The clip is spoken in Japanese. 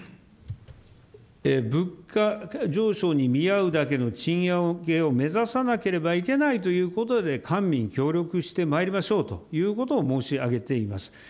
物価上昇に見合うだけの賃上げを目指さなければいけないということで、官民協力してまいりましょうということを申し上げています。